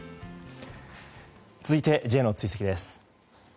続いて、Ｊの追跡です。